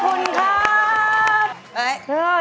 ขอบคุณค่ะน้องคุณครับ